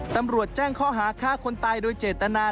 ตำรวจแจ้งข้อหาฆ่าคนตายโดยเจตนา